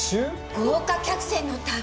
「豪華客船の旅」！？